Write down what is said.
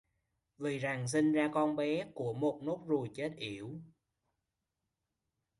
vì rằng sinh ra con bé của một nốt ruồi chết yểu